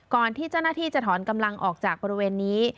ที่เจ้าหน้าที่จะถอนกำลังออกจากบริเวณนี้